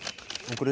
これ。